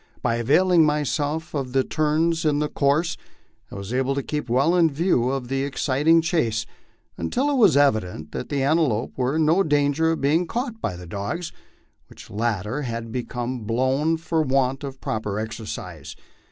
By availing myself of the turns in the course, I was able to keep well in view of the exciting chase, until it was evident that the antelope were in no danger of being caught by the dogs, which latter had become blown from want of proper exercise.